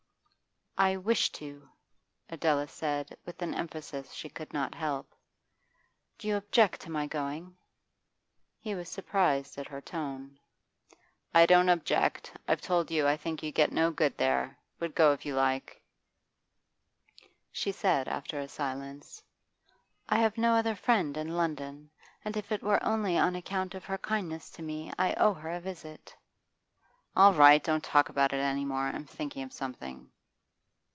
'I wish to,' Adela said with an emphasis she could not help. 'Do you object to my going?' He was surprised at her tone. 'I don't object. I've told you I think you get no good there. But go if you like.' She said after a silence: 'I have no other friend in London; and if it were only on account of her kindness to me, I owe her a visit.' 'All right, don't talk about it any more; I'm thinking of something.